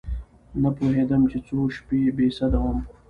نه پوهېدم چې څو شپې بې سده وم.